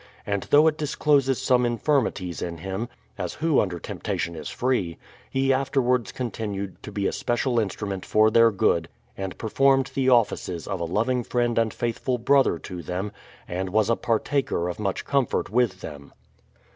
And though it THE PLYINIOUTH SETTLEMENT 59 discloses some infirmities in him (as who under temptation is free), he afterwards continued to be a special instrument for their good, and performed the offices of a loving friend and faithful brother to them, and was a partaker of much comfort with them.